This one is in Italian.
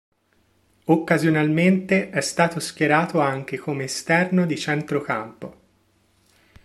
Occasionalmente è stato schierato anche come esterno di centrocampo.